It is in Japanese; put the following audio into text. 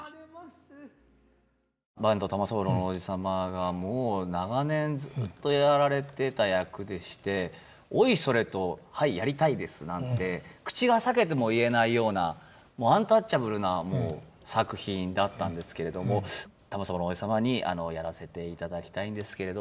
坂東玉三郎のおじ様がもう長年ずっとやられてた役でしておいそれと「はいやりたいです」なんて口が裂けても言えないようなもうアンタッチャブルな作品だったんですけれども玉三郎のおじ様に「やらせていただきたいんですけれども」と言ったら。